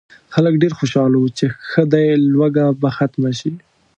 خلک ډېر خوشاله وو چې ښه دی لوږه به ختمه شي.